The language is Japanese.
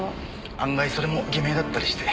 案外それも偽名だったりして。